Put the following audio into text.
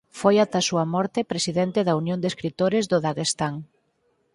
Foi ata a súa morte presidente da Unión de Escritores do Daguestán